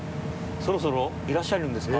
そろそろいらっしゃるんですか。